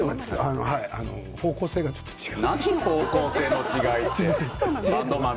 方向性がちょっと違う。